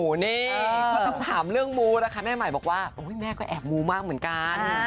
เพราะต้องถามเรื่องมูนะคะแม่ใหม่บอกว่าแม่ก็แอบมูมากเหมือนกัน